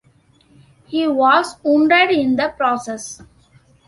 He was wounded in the process.